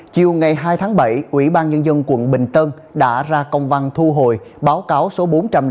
chiều ngày hai tháng bảy ủy ban nhân dân quận bình tân đã ra công văn thu hồi báo cáo số bốn trăm năm mươi